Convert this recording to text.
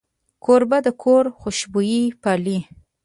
کوربه د کور خوشبويي پالي.